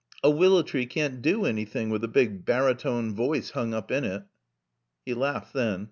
A willow tree can't do anything with a big barytone voice hung up in it." He laughed then.